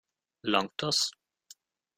Langt das?